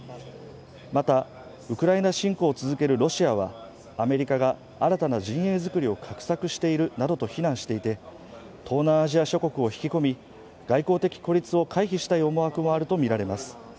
またウクライナ侵攻を続けるロシアはアメリカが新たな陣営作りを画策しているなどと非難していて東南アジア諸国を引き込み外交的孤立を回避したい思惑もあると見られます